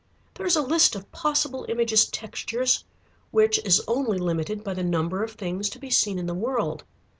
There is a list of possible Imagist textures which is only limited by the number of things to be seen in the world.